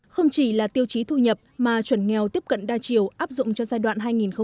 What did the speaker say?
không chỉ là tiêu chí thu nhập mà chuẩn nghèo tiếp cận đa chiều áp dụng cho giai đoạn hai nghìn một mươi một hai nghìn hai mươi